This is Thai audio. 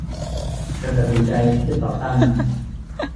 เธอตัดสินใจที่จะต่อต้านมัน